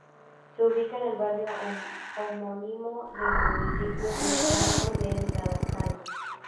Se ubica en el barrio homónimo del municipio vizcaíno de Galdácano.